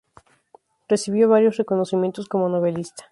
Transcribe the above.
Recibió varios reconocimientos como novelista.